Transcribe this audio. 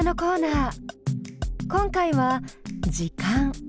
今回は「時間」。